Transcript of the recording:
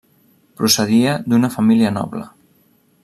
Procedia d'una família noble.